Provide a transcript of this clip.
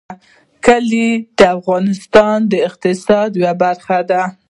کلي د افغانستان د اقتصاد یوه برخه ده.